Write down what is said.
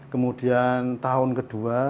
kemudian tahun ke dua